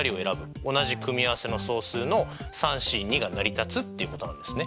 同じ組合せの総数のＣが成り立つっていうことなんですね。